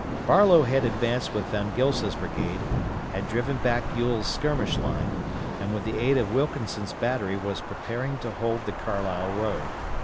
Barlow had advanced with Von Gilsa's brigade, had driven back Ewell's skirmish line, and with the aid of Wilkinson's battery was preparing to hold the Carlisle road.